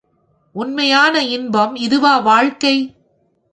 உண்மையான இன்பம் இதுவா வாழ்க்கை!